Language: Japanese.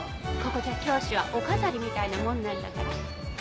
ここじゃ教師はお飾りみたいなもんなんだから。